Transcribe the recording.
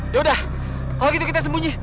ya udah kalau gitu kita sembunyi